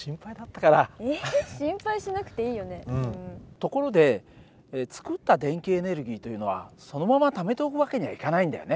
ところで作った電気エネルギーというのはそのままためておく訳にはいかないんだよね。